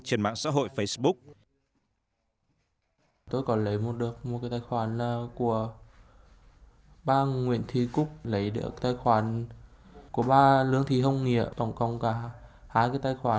trên mạng xã hội facebook